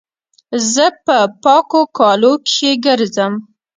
زه په پاکو کالو کښي ګرځم.